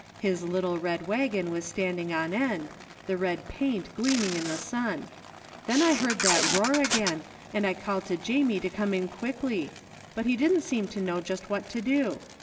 His little red wagon was standing on end, the red paint gleaming in the sun. Then I heard that roar again and I called to Jamie to come in quickly, but he didn't seem to know just what to do.